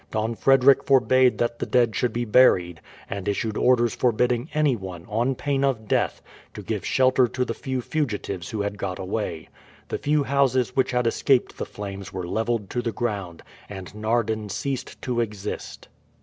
Don Frederick forbade that the dead should be buried, and issued orders forbidding anyone, on pain of death, to give shelter to the few fugitives who had got away. The few houses which had escaped the flames were levelled to the ground, and Naarden ceased to exist.